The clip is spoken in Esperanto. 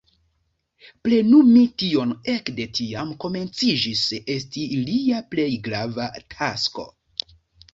Plenumi tion ekde tiam komenciĝis esti lia plej grava tasko.